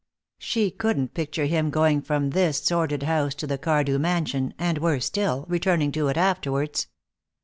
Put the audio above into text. She couldn't picture him going from this sordid house to the Cardew mansion, and worse still, returning to it afterwards.